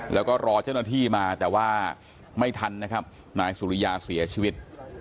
แล้วก็รอเจ้าหน้าที่มาแต่ว่าไม่ทันนะครับนายสุริยาเสียชีวิต